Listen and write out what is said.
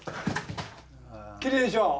きれいでしょう？